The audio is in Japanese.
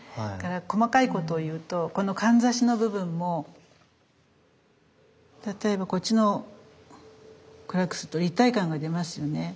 だから細かいことを言うとこのかんざしの部分も例えばこっちを暗くすると立体感が出ますよね。